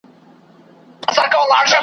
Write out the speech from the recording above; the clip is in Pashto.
غم او ښادي یوه ده کور او ګور مو دواړه یو دي .